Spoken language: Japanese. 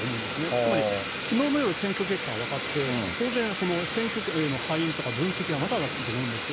つまり、きのうの夜、選挙結果が分かって、当然この選挙の敗因とか分析がまだだと思うんですよ。